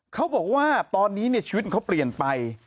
เขาบอกว่าตอนนี้ชีวิตเขาเปลี่ยนไป